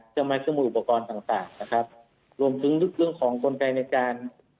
จำนวนอุปกรณ์ต่างต่างนะครับรวมถึงเรื่องของกลไกในการ